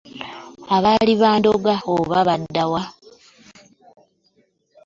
Abaali bandoga oba badda wa!